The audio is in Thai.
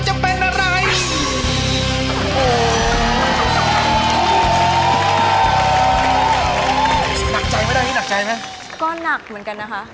หมวกปีกดีกว่าหมวกปีกดีกว่า